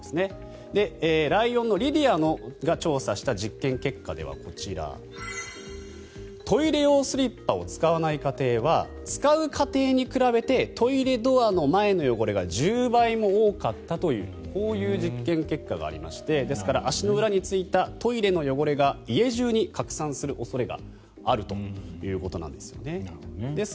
ライオンのＬｉｄｅａが調査した実験結果はこちら、トイレ用スリッパを使わない家庭は使う家庭に比べてトイレドアの前の汚れが１０倍以上多かったというこういう実験結果がありましてですから足の裏についたトイレの汚れが家中に拡散する恐れがあるということです。